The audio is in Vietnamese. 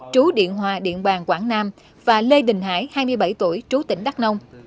trú điện hòa điện bàn quảng nam và lê đình hải hai mươi bảy tuổi trú tỉnh đắk nông